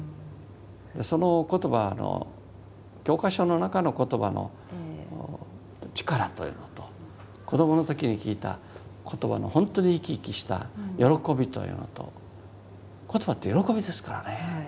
その言葉の教科書の中の言葉の力というのと子どもの時に聞いた言葉の本当に生き生きした喜びというのと言葉って喜びですからね。